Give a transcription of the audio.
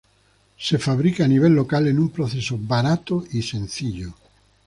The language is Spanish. Se fabrica a nivel local en un proceso barato y sencillo.